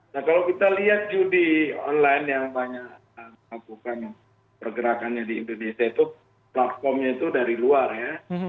nah kalau kita lihat judi online yang banyak melakukan pergerakannya di indonesia itu platformnya itu dari luar ya